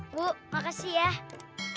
bu makasih ya